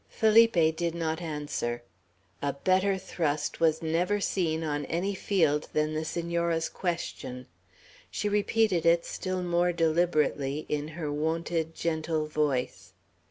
Felipe did not answer. A better thrust was never seen on any field than the Senora's question. She repeated it, still more deliberately, in her wonted gentle voice.